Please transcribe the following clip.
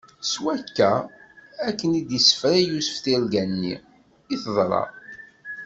S wakka, akken i d-issefra Yusef tirga-nni, i teḍra.